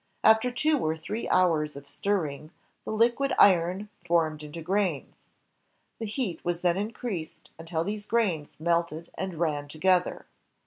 After two or three hours of stirring, the liquid iron formed into grains. The heat was then in creased until these grains melted and ran together.